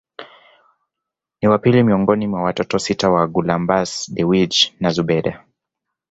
Ni wa pili miongoni mwa watoto sita wa Gulamabbas Dewji na Zubeda